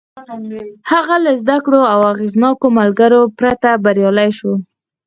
هغه له زدهکړو او اغېزناکو ملګرو پرته بريالی شو.